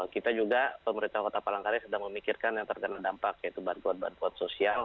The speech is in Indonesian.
kita juga pemerintah kota palangkaraya sedang memikirkan yang terkena dampak yaitu bantuan bantuan sosial